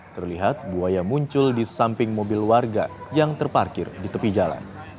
terlihat buaya muncul di samping mobil warga yang terparkir di tepi jalan